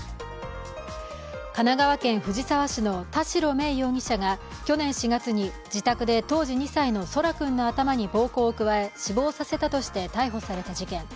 神奈川県藤沢市の田代芽衣容疑者が去年４月に自宅で当時２歳の空来君の頭に暴行を加え、死亡させたとして逮捕された事件。